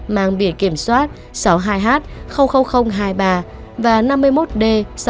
mang biển kiểm soát sáu mươi hai h hai mươi ba và năm mươi một d sáu mươi hai nghìn tám mươi tám